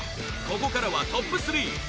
ここからはトップ３！